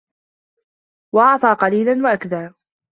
وَأَعطى قَليلًا وَأَكدى